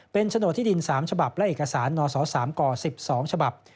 เป็นโฉนดที่ดิน๓ฉบับและเอกสารนศ๓ก๑๒ฉบับ